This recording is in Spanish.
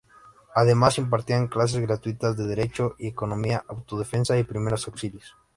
Además, impartían clases gratuitas de derecho y economía, autodefensa y primeros auxilios.